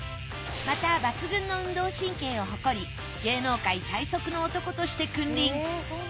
また抜群の運動神経を誇り芸能界最速の男として君臨。